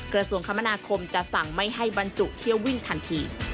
กระทรวงคมนาคมจะสั่งไม่ให้บรรจุเที่ยววิ่งทันที